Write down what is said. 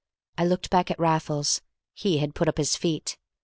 I looked back at Raffles. He had put up his feet.